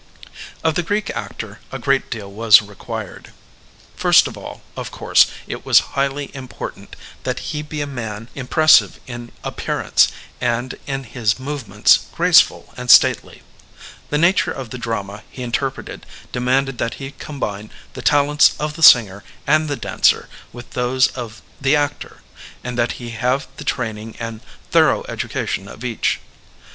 Of the Greek actor a great deal was required. First of all, of course, it was highly important that he be a man impressive in appearance and, in his movements, graceful and stately. The nature of the drama he interpreted demanded that he combine the talents of the singer and the dancer with those of Digitized by'VjOOQlC 472 EVOLUTION OF THE ACTOR the actor, and that he have the training and thor ough education of each.